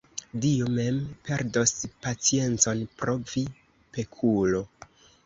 Dio mem perdos paciencon pro vi, pekulo!